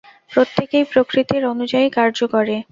প্রত্যেকেই প্রকৃতির অনুযায়ী কার্য করে।